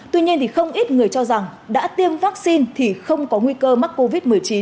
tuy nhiên thì không ít người cho rằng đã tiêm vaccine thì không có nguy cơ mắc covid một mươi chín